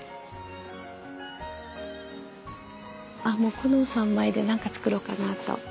この３枚で何か作ろうかなと。